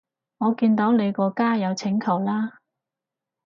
我見到你個加友請求啦